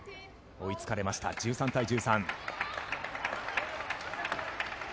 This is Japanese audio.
追いつかれました１３対１３。